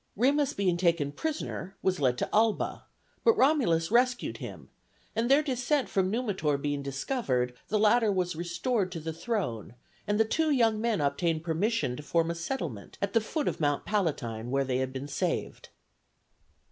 Remus being taken prisoner was led to Alba, but Romulus rescued him, and their descent from Numitor being discovered, the latter was restored to the throne, and the two young men obtained permission to form a settlement at the foot of Mount Palatine where they had been saved.